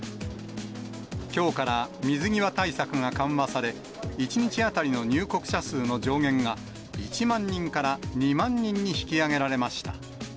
きょうから水際対策が緩和され、１日当たりの入国者数の上限が、１万人から２万人に引き上げられました。